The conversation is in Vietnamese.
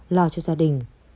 lo cho gia đình